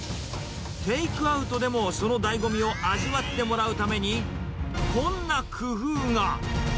テイクアウトでもそのだいご味を味わってもらうために、こんな工夫が。